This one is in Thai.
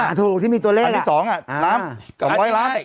อ่าถูกที่มีตัวเลขอ่ะอันที่สองอ่ะอ่าน้ำสองร้อยล้าน